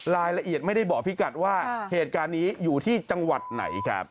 รายละเอียดไม่ได้บอกพี่กัดว่าเหตุการณ์นี้อยู่ที่จังหวัดไหนครับ